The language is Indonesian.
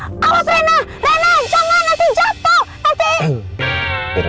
rena jangan nanti jatuh